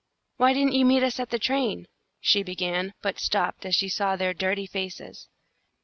"Why didn't you meet us at the train?" she began, but stopped as she saw their dirty faces.